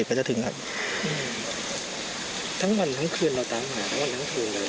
ทั้งวันทั้งคืนก็ตามหาตั้งวันทั้งทุ่มเหรอ